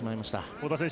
小田選手